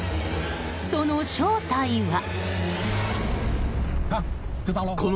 その正体は。